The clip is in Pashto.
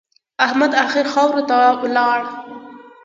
احمد اخير خاورو ته ولاړ.